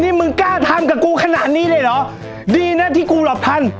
นี่มึงกล้าทำกับกูขนาดนี้เลยเหรอดีนะที่กูหลบทัน